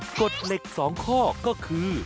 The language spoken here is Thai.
กฎเหล็ก๒ข้อก็คือ